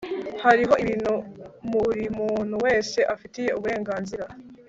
hariho ibintu buri muntu wese afitiye uburenganzira